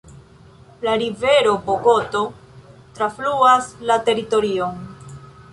La rivero Bogoto trafluas la teritorion.